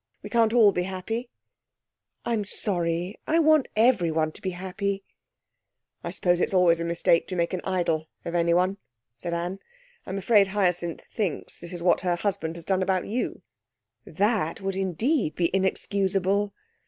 We can't all be happy.' 'I'm sorry. I want everyone to be happy.' 'I suppose it's always a mistake to make an idol of anyone,' said Anne. 'I'm afraid Hyacinth thinks that is what her husband has done about you.' 'That would indeed be inexcusable!'